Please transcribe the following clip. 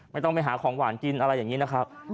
ไม่ต้องไปหาของหวานกินอะไรอย่างนี้นะครับ